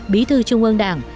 bí thư trung ương đảng